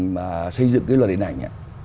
mà xây dựng cái luật điện ảnh